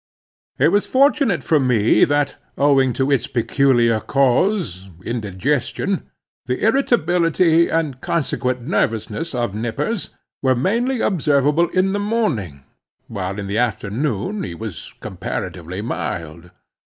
It was fortunate for me that, owing to its peculiar cause—indigestion—the irritability and consequent nervousness of Nippers, were mainly observable in the morning, while in the afternoon he was comparatively mild.